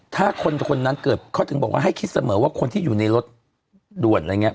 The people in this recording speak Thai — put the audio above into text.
ถ้าคนนั้นเกิดเขาถึงบอกว่าให้คิดเสมอว่าคนที่อยู่ในรถด่วนอะไรอย่างนี้